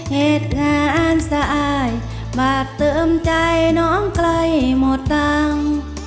เหตุงานสะอาดบาทเติมใจน้องใกล้หมดตังค์